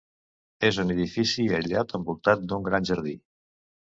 És un edifici aïllat envoltat d'un gran jardí.